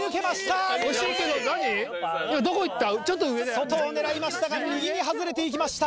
外を狙いましたが右に外れていきました。